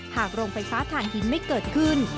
หากโรงไฟฟ้าธานิดไม่เกิดขึ้น